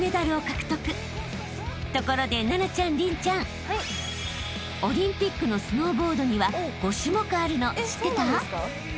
［ところで奈々ちゃん麟ちゃんオリンピックのスノーボードには５種目あるの知ってた？］